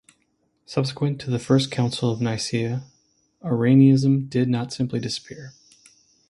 Subsequent to the First Council of Nicea, Arianism did not simply disappear.